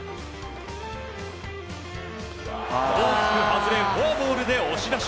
大きく外れフォアボールで押し出し。